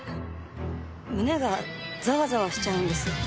胸がざわざわしちゃうんです。